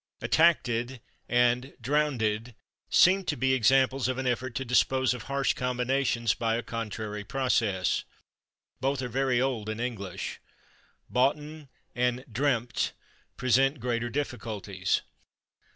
/Attackted/ and /drownded/ seem to be examples of an effort to dispose of harsh combinations by a contrary process. Both are very old in English. /Boughten/ and /dreampt/ [Pg202] present greater difficulties.